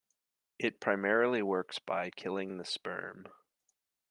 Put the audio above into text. It primarily works by killing the sperm.